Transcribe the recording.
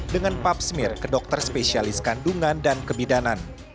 dengan pap smear ke dokter spesialis kandungan dan kebidanan